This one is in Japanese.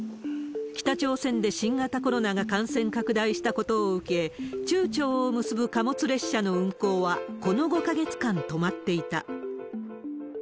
北朝鮮で新型コロナが感染拡大したことを受け、中朝を結ぶ貨物列車の運行は、この５か月間、止まっていた。